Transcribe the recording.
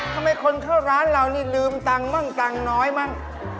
ทำไมคนเข้าร้านเรานี่ลืมตังค์มั่งตังค์น้อยมั่ง